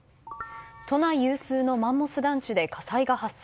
都内有数のマンモス団地で火災が発生。